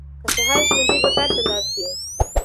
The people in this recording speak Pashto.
که سهار شي نو دی به کار ته لاړ شي.